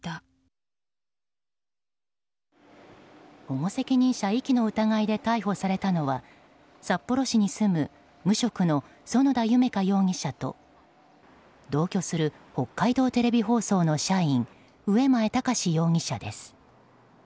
保護責任者遺棄の疑いで逮捕されたのは札幌市に住む無職の其田夢花容疑者と同居する北海道テレビ放送の社員上前高志容疑者です。